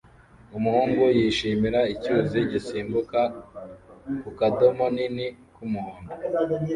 Umuhungu yishimira icyuzi gisimbuka ku kadomo nini k'umuhondo